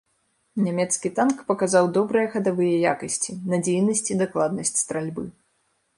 Нямецкі танк паказаў добрыя хадавыя якасці, надзейнасць і дакладнасць стральбы.